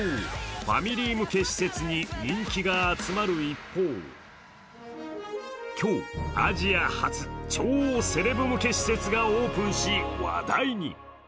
ファミリー向け施設に人気が集まる一方、今日、アジア初超セレブ向け施設がオープンし話題に。